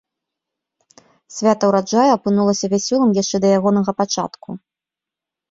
Свята ўраджаю апынулася вясёлым яшчэ да ягонага пачатку.